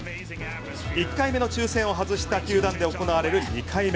１回目の抽選を外した球団で行われる２回目。